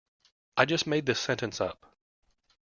I just made this sentence up.